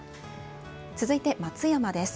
続いて松山です。